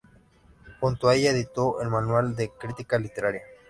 Junto a ella editó el manual de "Crítica literaria".